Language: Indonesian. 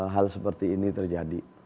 hal seperti ini terjadi